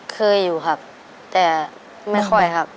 เคยอยู่ครับแต่ไม่ค่อยครับ